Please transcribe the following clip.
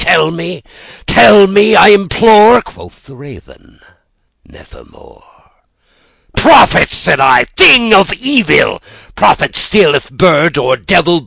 —tell me—tell me, I implore!"Quoth the Raven, "Nevermore.""Prophet!" said I, "thing of evil—prophet still, if bird or devil!